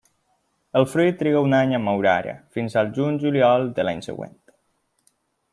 El fruit triga un any a madurar, fins al juny-juliol de l'any següent.